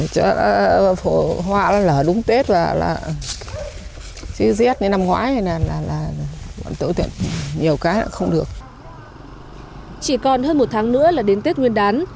chỉ còn hơn một tháng nữa là đến tết nguyên đán